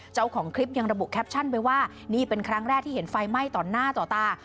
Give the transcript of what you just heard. เจ้าของคลิปยังระบุแคปชั่นไปว่านี่เป็นครั้งแรกที่เห็นไฟไหม้ต่อหน้าต่อตา